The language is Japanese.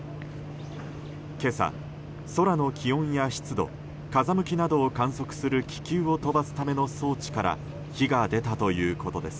今朝、空の気温や湿度風向きなどを観測する気球を飛ばすための装置から火が出たということです。